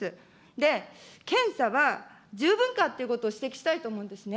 で、検査は十分かということを指摘したいと思うんですね。